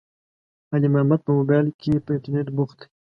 علي محمد په مبائل کې، په انترنيت بوخت دی.